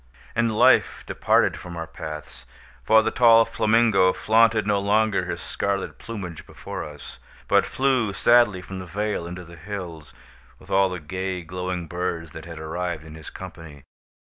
And Life departed from our paths; for the tall flamingo flaunted no longer his scarlet plumage before us, but flew sadly from the vale into the hills, with all the gay glowing birds that had arrived in his company.